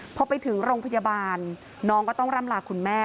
พอไปถึงโรงพยาบาลน้องก็ต้องร่ำลาคุณแม่